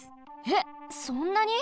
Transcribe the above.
えっそんなに？